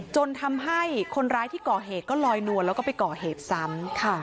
จนทำให้คนร้ายที่ก่อเหตุก็ลอยนวลแล้วก็ไปก่อเหตุซ้ำ